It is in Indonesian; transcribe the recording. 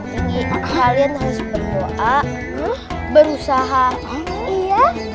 kalo dia jadi udah berhasil